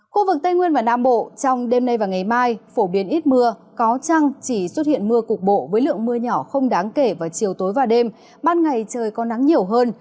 khu vực tây nguyên và nam bộ trong đêm nay và ngày mai phổ biến ít mưa có trăng chỉ xuất hiện mưa cục bộ với lượng mưa nhỏ không đáng kể vào chiều tối và đêm ban ngày trời có nắng nhiều hơn